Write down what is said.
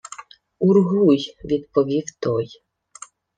— Ургуй, — відповів той.